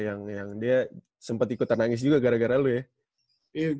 yang dia sempat ikutan nangis juga gara gara lu ya